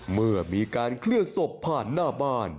เมื่อมีการเคลื่อนศพผ่านหน้าบ้าน